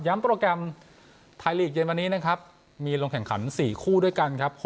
โปรแกรมไทยลีกเย็นวันนี้นะครับมีลงแข่งขัน๔คู่ด้วยกันครับ